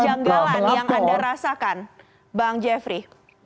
apa bentuk kejanggalan yang anda rasakan bang jeffrey